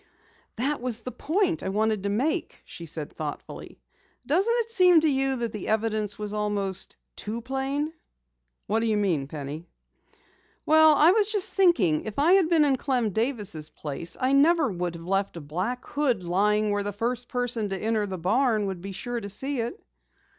"That was the point I wanted to make," she said thoughtfully. "Doesn't it seem to you that the evidence was almost too plain?" "What do you mean, Penny?" "Well, I was just thinking, if I had been in Clem Davis' place, I never would have left a black hood lying where the first person to enter the barn would be sure to see it."